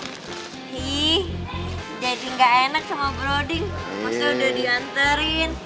maksudnya udah dianterin